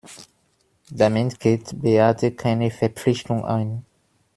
Damit geht Beate keine Verpflichtung ein.